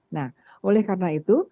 nah oleh karena itu